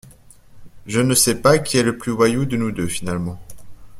Je ne sais pas qui est le plus voyou de nous deux, finalement